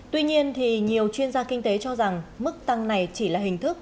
tuy nhiên thì nhiều chuyên gia kinh tế cho rằng mức tăng này chỉ là hình thức